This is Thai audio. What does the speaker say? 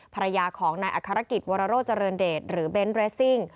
ภรรยาของนายอัครกิจวรโรเจริญเดชหรือเบนท์เรสซิ่ง